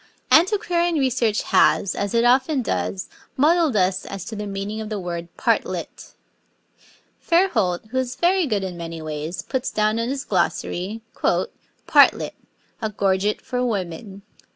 Antiquarian research has, as it often does, muddled us as to the meaning of the word 'partlet.' Fairholt, who is very good in many ways, puts down in his glossary, 'Partlet: A gorget for women.'